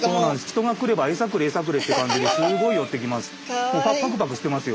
人が来ればエサくれエサくれって感じですごい寄ってきます。